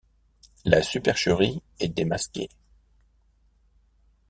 La supercherie est démasquée.